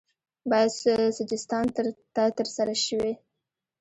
یا سجستان ته ترسره شوی